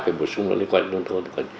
phải bổ sung lại liên quan đến thông thôn